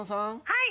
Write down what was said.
はい。